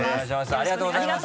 ありがとうございます。